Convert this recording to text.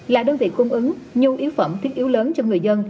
là đơn vị cung ứng nhu yếu phẩm thiết yếu lớn cho người dân